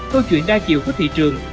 thư chuyển đa chiều khuất thị trường